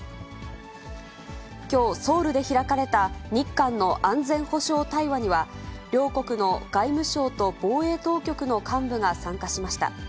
きょう、ソウルで開かれた日韓の安全保障対話には、両国の外務省と防衛当局の幹部が参加しました。